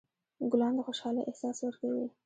ګلان د خوشحالۍ احساس ورکوي.